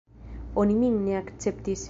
Oni min ne akceptis.